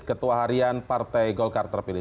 ketua harian partai golkar terpilih